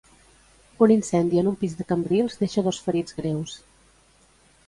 Un incendi en un pis de Cambrils deixa dos ferits greus.